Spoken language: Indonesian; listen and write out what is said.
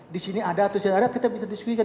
di sini ada atau tidak ada kita bisa diskusikan